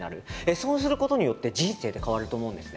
そうすることによって人生って変わると思うんですね。